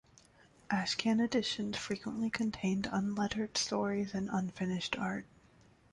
Ashcan editions frequently contained unlettered stories and unfinished art.